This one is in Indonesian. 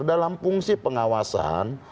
dalam fungsi pengawasan